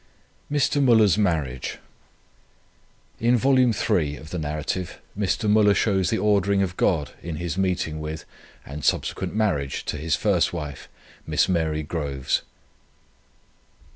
MR. MÜLLER'S MARRIAGE. In Vol. 3 of The Narrative, Mr. Müller shows the ordering of God in his meeting with and subsequent marriage to his first wife, Miss Mary Groves.